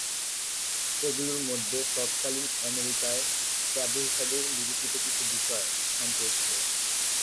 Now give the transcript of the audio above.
এগুলোর মধ্যে তৎকালীন অ্যামেরিকায় ট্যাবু হিসেবে বিবেচিত কিছু বিষয় স্থান পেয়েছিল।